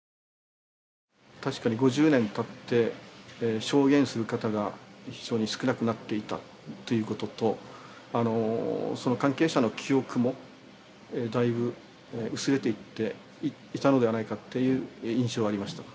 確かに５０年たって証言する方が非常に少なくなっていたということとその関係者の記憶もだいぶ薄れていっていたのではないかっていう印象はありました。